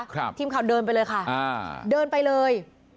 ครับทีมเขาเดินไปเลยค่ะอ่าเดินไปเลย